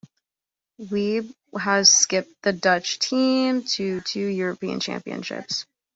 Wiebe has skipped the Dutch team to two European championships.